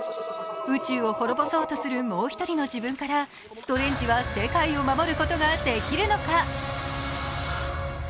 宇宙を滅ぼそうとするもう１人の自分からストレンジは世界を守ることができるのか。